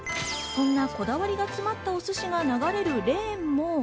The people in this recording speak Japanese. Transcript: そんなこだわりが詰まったお寿司が流れるレーンも。